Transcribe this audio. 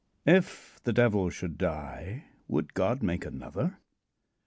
IF THE DEVIL SHOULD DIE WOULD GOD MAKE ANOTHER?